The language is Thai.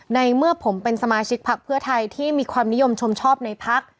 ในเมื่อผมเป็นสมาชิกพักเพื่อไทยที่มีความนิยมชมชอบในพัก